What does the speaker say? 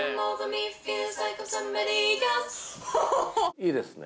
いいですね。